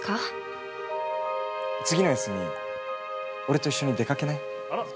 次の休み、俺と一緒に出かけない？